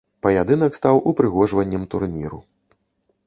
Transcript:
Паядынак стаў упрыгожваннем турніру.